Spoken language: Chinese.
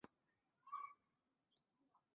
视窗里的内容并非在所有时候都能显示出来。